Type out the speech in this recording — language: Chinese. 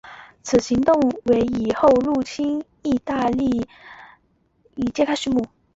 此行动为后来入侵义大利揭开续幕。